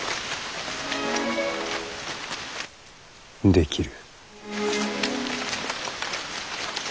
できる。